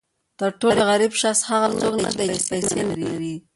تر ټولو غریب شخص هغه څوک نه دی چې پیسې نه لري.